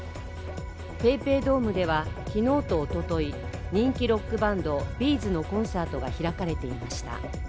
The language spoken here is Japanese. ＰａｙＰａｙドームでは昨日とおととい、人気ロックバンド、Ｂ’ｚのコンサートが開かれていました。